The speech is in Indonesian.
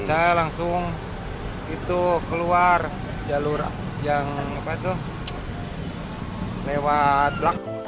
saya langsung itu keluar jalur yang lewat blak